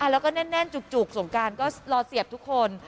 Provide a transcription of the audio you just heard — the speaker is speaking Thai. แล้วก็แน่นจุกสงการก็รอเสียบทุกคน